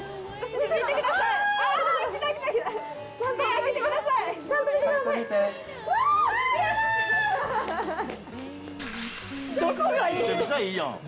めちゃめちゃいいやん。